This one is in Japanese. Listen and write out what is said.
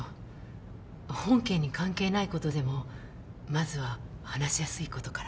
本件に関係ないことでもまずは話しやすいことから。